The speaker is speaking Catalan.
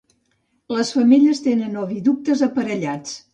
Les femelles tenen oviductes aparellats.